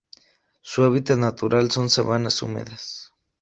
Su hábitat natural son sabanas húmedas.